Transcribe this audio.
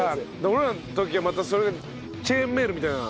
俺らの時はまたそれチェーンメールみたいな。